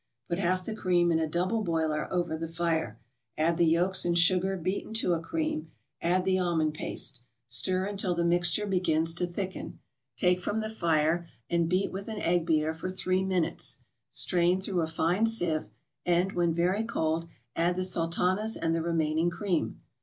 Put half the cream in a double boiler over the fire, add the yolks and sugar beaten to a cream, add the almond paste. Stir until the mixture begins to thicken, take from the fire and beat with an egg beater for three minutes. Strain through a fine sieve, and, when very cold, add the Sultanas and the remaining cream.